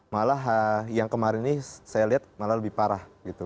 malah yang kemarin ini saya lihat malah lebih parah gitu